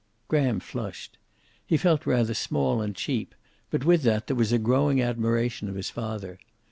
Graham flushed. He felt rather small and cheap, but with that there was a growing admiration of his father.